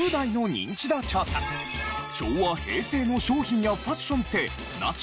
昭和・平成の商品やファッションってナシ？